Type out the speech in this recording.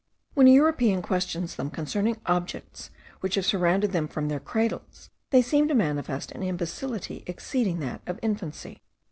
When a European questions them concerning objects which have surrounded them from their cradles, they seem to manifest an imbecility exceeding that of infancy.